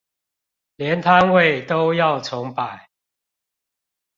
連攤位都要重擺